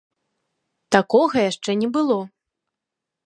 Такога яшчэ не было.